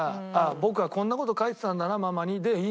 「僕はこんな事書いてたんだなママに」でいいんだよ。